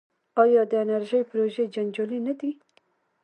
آیا د انرژۍ پروژې جنجالي نه دي؟